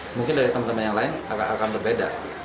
mungkin dari teman teman yang lain akan berbeda